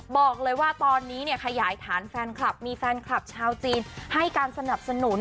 บอกเลยว่าตอนนี้เนี่ยขยายฐานแฟนคลับมีแฟนคลับชาวจีนให้การสนับสนุน